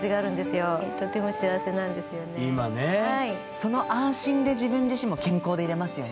その安心で自分自身も健康でいれますよね。